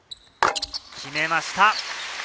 決めました。